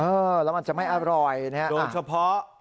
เออแล้วมันจะไม่อร่อยนะครับโดยเฉพาะ